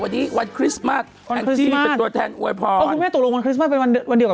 วันนี้วันคริสต์มาสแองจี้เป็นตัวแทนอวยพรอ๋อคุณแม่ตกลงวันคริสต์มาสเป็นวันวันเดียวกับ